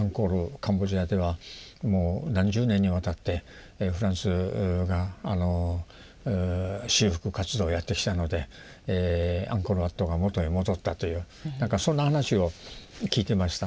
カンボジアではもう何十年にわたってフランスが修復活動をやってきたのでアンコール・ワットが元へ戻ったというなんかそんな話を聞いてました。